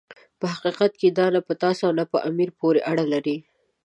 په حقیقت کې دا نه په تاسو او نه په امیر پورې اړه لري.